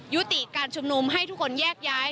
ยุติการชุมนุมให้ทุกคนแยกย้าย